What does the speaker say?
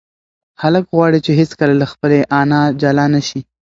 هلک غواړي چې هیڅکله له خپلې انا جلا نشي.